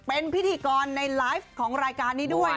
เป็นพิธีกรในไลฟ์ของรายการนี้ด้วย